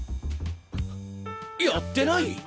やってない？